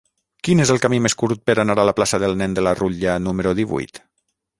Quin és el camí més curt per anar a la plaça del Nen de la Rutlla número divuit?